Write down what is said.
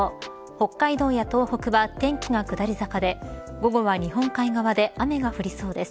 北海道や東北は天気が下り坂で午後は日本海側で雨が降りそうです。